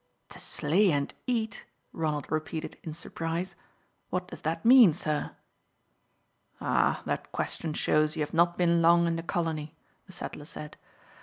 "To slay and eat!" Ronald repeated in surprise. "What does that mean, sir?" "Ah, that question shows you have not been long in the colony," the settler said.